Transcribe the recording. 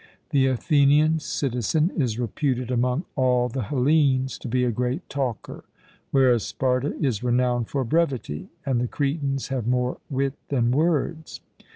The Athenian citizen is reputed among all the Hellenes to be a great talker, whereas Sparta is renowned for brevity, and the Cretans have more wit than words.